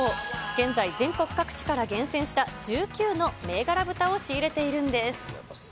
現在、全国各地から厳選した１９の銘柄豚を仕入れているんです。